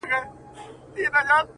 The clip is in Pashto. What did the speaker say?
خراب خراب دي کړم چپه دي کړمه,